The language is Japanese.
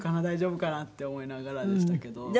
大丈夫かな？って思いながらでしたけど。